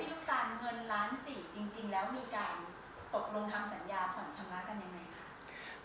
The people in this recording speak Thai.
ลูกการเงินล้านสี่จริงแล้วมีการตกลงทำสัญญาผ่อนชำระกันยังไงคะ